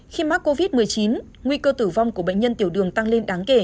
khi mắc covid một mươi chín nguy cơ tử vong của bệnh nhân tiểu đường tăng lên đáng kể